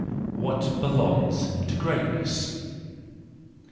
What Belongs to Greatness